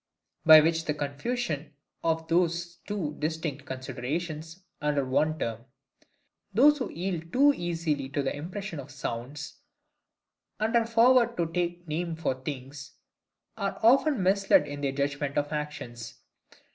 By which confusion of these two distinct considerations under one term, those who yield too easily to the impressions of sounds, and are forward to take names for things, are often misled in their judgment of actions.